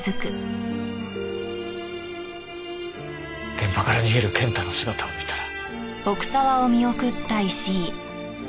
現場から逃げる健太の姿を見たら。